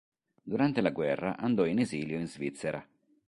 Durante la guerra andò in esilio in Svizzera.